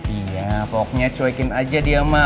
iya poknya cuekin aja dia mah